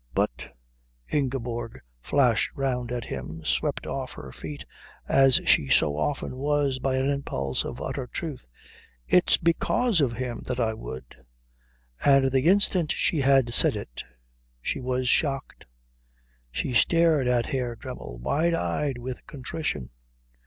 "But," Ingeborg flashed round at him, swept off her feet as she so often was by an impulse of utter truth, "it's because of him that I would." And the instant she had said it she was shocked. She stared at Herr Dremmel wide eyed with contrition.